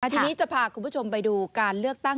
ทีนี้จะพาคุณผู้ชมไปดูการเลือกตั้ง